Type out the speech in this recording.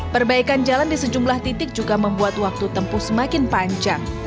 perbaikan jalan di sejumlah titik juga membuat waktu tempuh semakin panjang